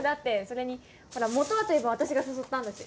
それにほら本はといえば私が誘ったんだし。